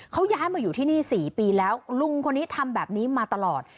เขาย้ายมาอยู่ที่นี่๔ปีแล้วลุงคนนี้ทำแบบนี้มาตลอด